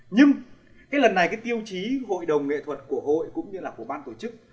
nhưng cái lần này cái tiêu chí hội đồng nghệ thuật của hội cũng như là của ban tổ chức